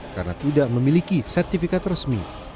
karena tidak memiliki sertifikat resmi